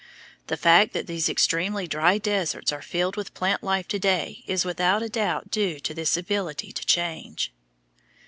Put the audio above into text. The fact that these extremely dry deserts are filled with plant life to day is without doubt due to this ability to change.